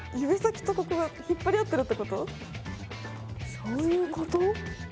そういうこと？